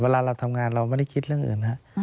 เวลาเราทำงานเราไม่ได้คิดเรื่องอื่นฮะ